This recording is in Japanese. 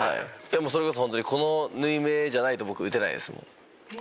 それこそホントにこの縫い目じゃないと僕打てないですもん。